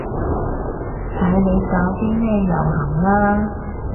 睇你搞啲咩遊行啦